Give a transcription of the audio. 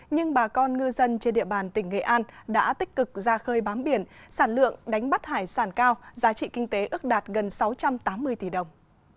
nhưng bà con ngư dân trên địa bàn tỉnh nghệ an đã tích cực ra khơi bám biển sản lượng đánh bắt hải sản cao giá trị kinh tế ước đạt gần sáu trăm tám mươi tỷ đồng